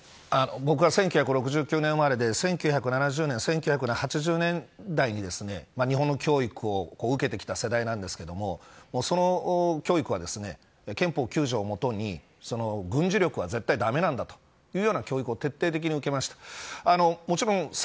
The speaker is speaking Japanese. １９６９年生まれで１９７０年、１９８０年代に日本の教育を受けてきた世代なんですけどその教育は憲法９条を基に軍事力絶対駄目なんだというような教育を徹底的に受けました。